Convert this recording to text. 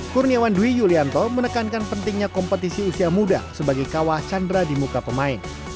kurniawan dwi yulianto menekankan pentingnya kompetisi usia muda sebagai kawah chandra di muka pemain